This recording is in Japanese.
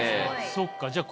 そっかじゃあ